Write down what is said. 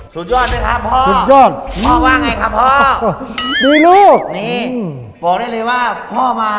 สุดยอดไหมครับพ่อสุดยอดพ่อว่าไงครับพ่อดูลูกนี่บอกได้เลยว่าพ่อมา